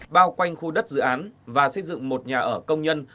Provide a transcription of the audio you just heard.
bao quanh khu đất dự án và xây dựng một nhà ở công nhân